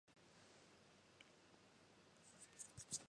Midshipman Candidates are required to be academically productive.